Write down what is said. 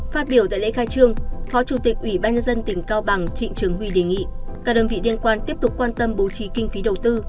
phát biểu tại lễ khai trương phó chủ tịch ủy ban dân tỉnh cao bằng trịnh trường huy đề nghị các đơn vị liên quan tiếp tục quan tâm bố trí kinh phí đầu tư